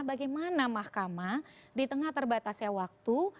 bagaimana mahkamah di tengah terbatasnya waktu